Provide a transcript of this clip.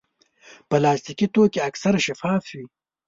پلاستيکي توکي اکثر شفاف وي.